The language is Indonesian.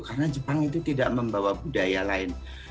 karena jepang itu tidak membawa budaya lain